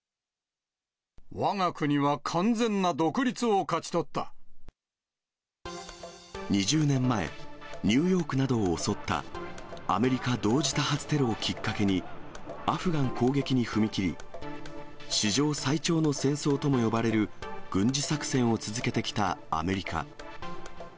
わが国は完全な独立を勝ち取２０年前、ニューヨークなどを襲ったアメリカ同時多発テロをきっかけに、アフガン攻撃に踏み切り、史上最長の戦争とも呼ばれる軍事作戦を続けてきたアメリカ。